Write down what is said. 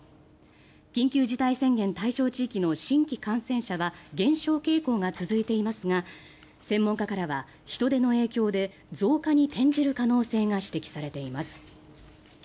緊急事態宣言対象地域の新規感染者は減少傾向が続いていますが専門家からは人出の影響で増加に転じる可能性が指摘されています。